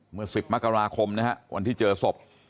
เมื่อ๑๐มกราคมนะฮะวันที่เจอศพ